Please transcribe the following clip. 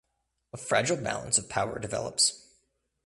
A fragile balance of power develops.